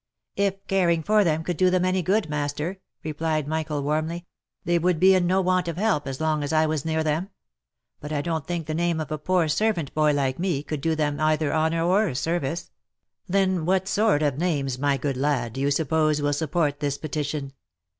" If caring for them could do them any good, master," replied Michael, warmly, " they would be in no want of help, as long as I was near them. But I don't think the name of a poor servant boy like me, could do them either honour or service." OF MICHAEL ARMSTRONG. 313 u Then what sort of names, my good lad, do you suppose will sup port this petition.